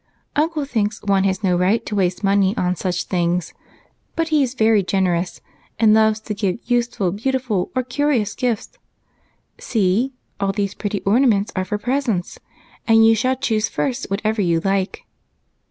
"Uncle thinks one has no right to waste money on such things, but he is very generous and loves to give useful, beautiful, or curious gifts. See, all these pretty ornaments are for presents, and you shall choose first whatever you like."